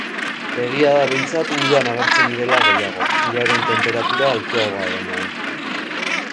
Egia da behintzat udan agertzen direla gehiago, uraren tenperatura altuagoa denean.